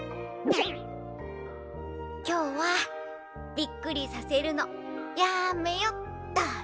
きょうはびっくりさせるのやめよっと。